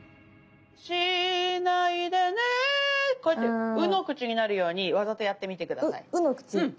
しないでねこうやって「う」の口になるようにわざとやってみて下さい。